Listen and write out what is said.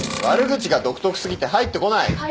悪口が独特すぎて入ってこない。